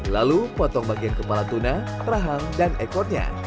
lalu potong bagian kepala tuna rahang dan ekornya